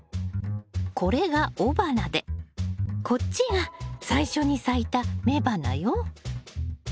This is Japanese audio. これが雄花でこっちが最初に咲いた雌花よ。